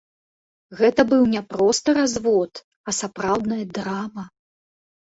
Гэта быў не проста развод, а сапраўдная драма.